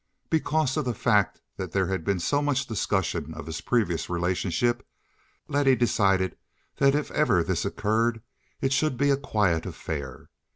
Because of the fact that there had been so much discussion of his previous relationship, Letty decided that if ever this occurred it should be a quiet affair.